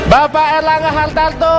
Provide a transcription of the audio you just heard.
bapak erlangah hartarto